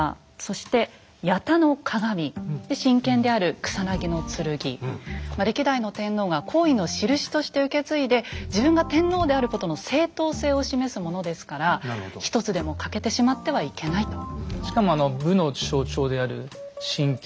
神剣である歴代の天皇が皇位のしるしとして受け継いで自分が天皇であることの正統性を示すものですから一つでも欠けてしまってはいけないと。